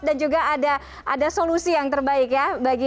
dan juga ada solusi yang terbaik ya